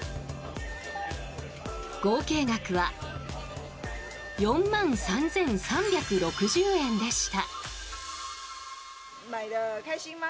合計額は４万３３６０円でした。